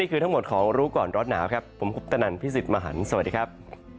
คือทั้งหมดของรู้ก่อนร้อนหนาวครับผมคุปตนันพี่สิทธิ์มหันฯสวัสดีครับ